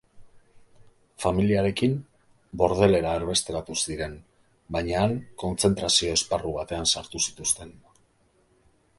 Familiarekin Bordelera erbesteratu ziren, baina han kontzentrazio-esparru batean sartu zituzten.